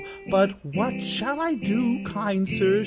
'But what shall I do, kind sir?'